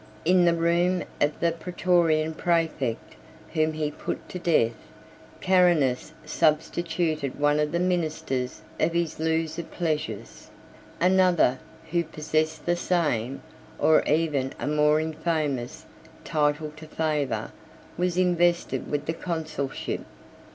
In the room of the Prætorian præfect, whom he put to death, Carinus substituted one of the ministers of his looser pleasures. Another, who possessed the same, or even a more infamous, title to favor, was invested with the consulship.